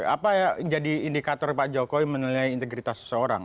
apa yang jadi indikator pak jokowi menilai integritas seseorang